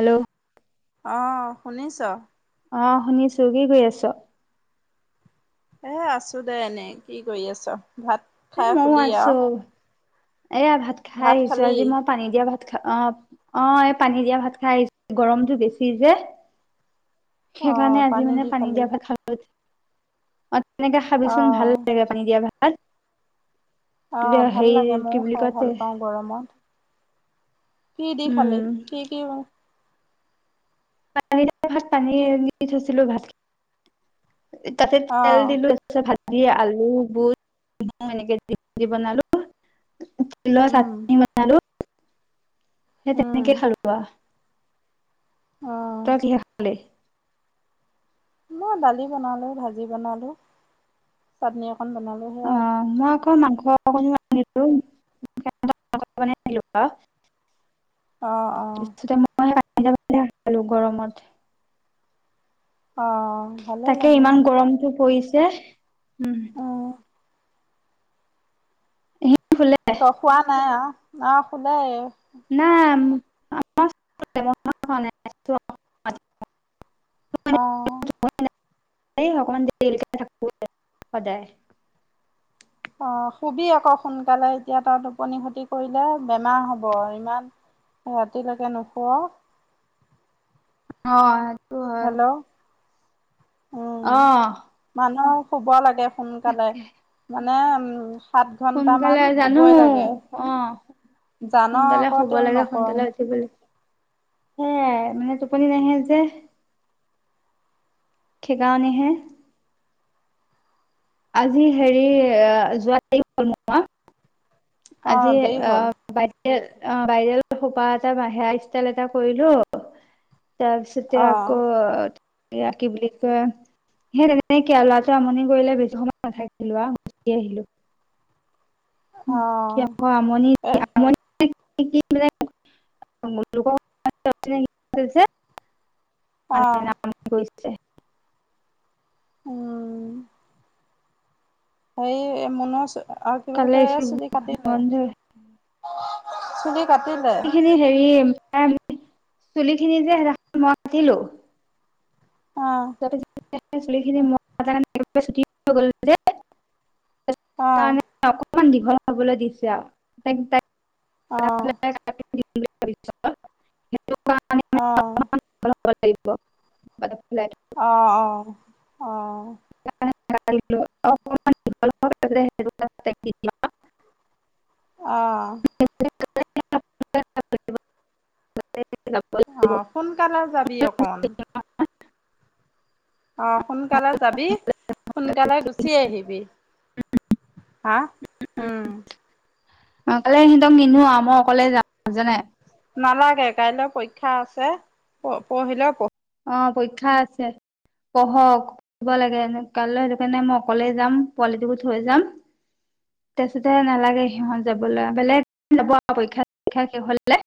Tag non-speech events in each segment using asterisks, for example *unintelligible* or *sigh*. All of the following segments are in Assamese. হেল্ল'। অ শুনিছ? অ শুনিছো কি কৰি আছ? এ আছো দে এনেই কি কৰি আছ? ভাত এ খাই ময়ো শুলি আছো আও? এয়া ভাত খাই আহিছো আজি মই পানী দিয়া ভাত খা অ', অ, এই পানী দিয়া ভাত খাই আহি গৰমটো বেছি যে অ সেইকাৰণে আজি মানে দি পানী খালি দিয়া ভাত খালো এনেকে অ খাবিচোন ভাল লাগে পানী দিয়া ভাত। *unintelligible* অ ভাল হেৰি লাগে কি ময়ো বুলি খাই কয় ভাল তে পাওঁ গৰমত। *inaudible* কি দি উম খালি কি কি ম পানি ভাত পানী কি দি থৈছিলো ভাত তাতে অ তেল দিলো ভাত দি আলু বুট এনেকে দি দি বনালো টিলৰ উম চাটনি বনালো। সেই উম তেনেকে খাৰুৱা অ *unintelligible* মই দালি বনালো ভাজি বনালো চাটনি সখন বনালো হ অ মই আকৌ মাংস অকনো আনিলে। অ অ *unintelligible* অ ভালে তাকে লাগে। ইমান গৰমটো পৰিছে উম। উম শুলে ত খোৱা নাই আৰু অ', শুলে। নাম, *unintelligible* অ, এই অকমান দেৰি লৈকে থাকোদে সদায় অ, শুবি আক' সোনকালে এতিয়া তয় টোপনি খতি কৰিলে বেমাৰ হব ইমান ৰাতিলৈকে নুহুঁৱ। অ, হয়, হেল্ল' অহ, মইও শুব লাগে সোনকালে ন, উম, সাত সোনকালে ঘন্টামান জানো শুবই লাগে অ, জান সোনকালে আকৌ হব তেওঁ লাগে নকওঁ সোনকালে উঠিবলৈ সেয়াই মানে টোপনি নাহে যে, খেকাৰনহে আজি হেৰি যোৱা *inaudible* হ'ল নোহোৱা আজি দেৰি অ, হ'ল অ, বাইৰেল এই সোপা এটা বা, হেয়াৰ ষ্টাইল এটা কৰিলো তাৰপাছতেই অ আকৌ এইয়া কি বুলি কয় সেইতেনেকেই আৰু লৰাতোৱে আমনি কৰিলে বেছি সময় নাথাকিলো আহ, শুচি আহিলো উ, অ কি আকৌ এ আমনি-আমনি *inaudible* অ *inaudible* চে, উম, হয়েই মুনো আৰু কি বুলি কালে কয় এই স্কুল চুলি কাটিলে বন্ধ চুলি কাটিলে সিখিনি হেৰি চুলি খিনি যে, সেইদিনাখন মই কাতিলো অ *inaudible* চুলিখিনি *unintelligible* *unintelligible* গল যে *unintelligible* অকনমান দীঘল হবলৈ দিছে আৰু তাইক অ, *unintelligible* অ অ *unintelligible* *inaudible* অ' অ' অ' *inaudible* আহ! *inaudible* অ সোনকালে যাবি অকন! অ সোনকালে *inaudible* সোনকালে গুচি আহিবি। হা? উম উম। অ কালে সিহঁতক নিনু মই অকলে যাম জানে। নালাগে কাইলৈ পৰীক্ষা আছে পঢ়িলেও অ পৰীক্ষা আছে পঢ়ক লাগে কাইলৈ সেইটো কাৰণে মই অকলে যাম পোৱালিটো থৈ যাম তাৰপিছতে নালাগে সিহঁত যাবলৈ বেলেগ যাব আৰু পৰীক্ষা শেষ হলে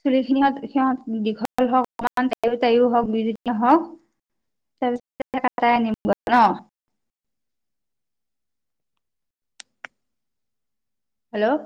চুলি খিনিহত সিহঁত দীঘল হওক তয় তাইও হওক বজিন হক চ নিমগ ন? হেল্ল'।